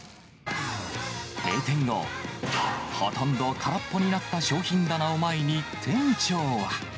閉店後、ほとんど空っぽになった商品棚を前に、店長は。